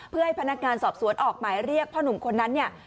เพื่อให้พนักงานสอบสวนออกหมายเรียกพ่อหนุ่มคนนั้นเนี่ย